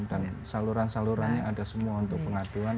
dan saluran salurannya ada semua untuk pengaduan